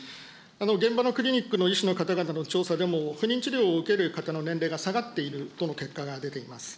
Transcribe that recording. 現場のクリニックの医師の方々の調査でも不妊治療を受ける方の年齢が下がっているとの結果が出ています。